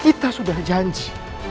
kita sudah janji